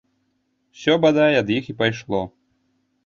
Усё, бадай, ад іх і пайшло.